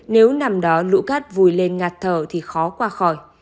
nếu nằm đó lũ cát vùi lên ngạt thở thì khó qua khỏi